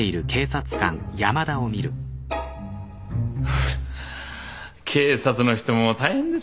フッ警察の人も大変ですよねぇ。